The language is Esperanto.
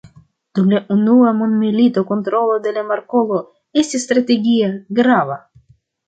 Dum la unua mondmilito, kontrolo de la markolo estis strategie grava.